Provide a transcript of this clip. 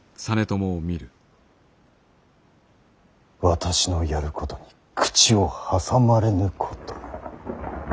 私のやることに口を挟まれぬこと。